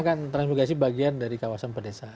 karena kan transmigrasi bagian dari kawasan pedesa